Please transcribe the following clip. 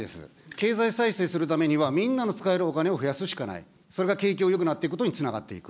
経済再生するためには、みんなの使えるお金を増やすしかない、それが景気をよくなっていくことにつながっていく。